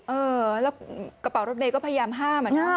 เออแล้วกระเป๋ารถเมย์ก็พยายามห้ามอะนะ